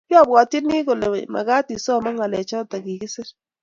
kyabwatyini kole magaat isomaan ngalechoto kigisiir